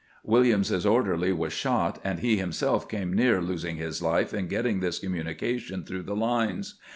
Williams's orderly was shot, and he himself came near losing his life in getting this communication through the lines.